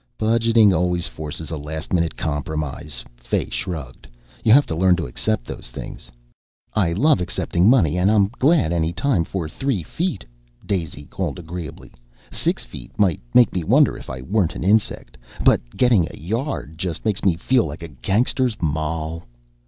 "Budgeting always forces a last minute compromise," Fay shrugged. "You have to learn to accept those things." "I love accepting money and I'm glad any time for three feet," Daisy called agreeably. "Six feet might make me wonder if I weren't an insect, but getting a yard just makes me feel like a gangster's moll."